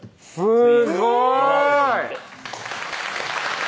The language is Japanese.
すごーい！